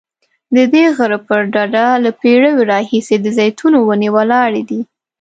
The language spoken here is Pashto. ددې غره پر ډډه له پیړیو راهیسې د زیتونو ونې ولاړې دي.